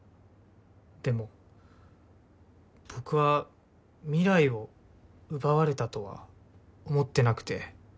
でも僕は未来を奪われたとは思ってなくて。